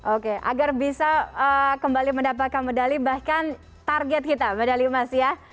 oke agar bisa kembali mendapatkan medali bahkan target kita medali emas ya